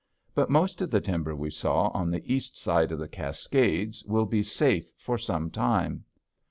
But most of the timber we saw on the east side of the Cascades will be safe for some time.